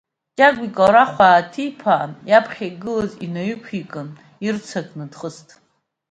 Кьагәа икьарахә ааҭиԥаан, иаԥхьагылаз инаиқәикын, ирццакны дхыст.